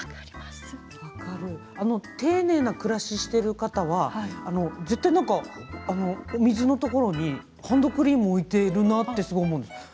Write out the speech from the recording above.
丁寧な暮らしをしている方は絶対水のところにハンドクリームを置いているなって思うんです。